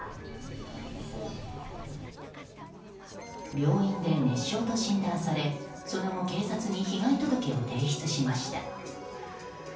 病院で熱傷と診断されその後、警察に被害届を提出しました。